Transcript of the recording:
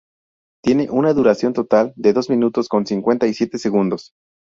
Tiene una duración total de dos minutos con cincuenta y siete segundos.